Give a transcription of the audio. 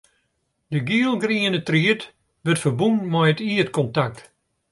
De gielgriene tried wurdt ferbûn mei it ierdkontakt.